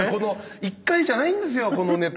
１回じゃないんですよこのネタ。